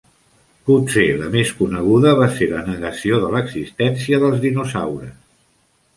Potser, la més coneguda va ser la negació de l'existència dels dinosaures.